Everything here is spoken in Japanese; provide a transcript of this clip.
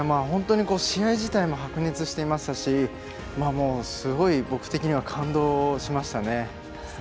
本当に試合自体も白熱していましたしすごい僕的には感動しましたね。